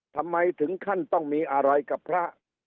ทำไมถึงขั้นต้องมีอะไรกับพระ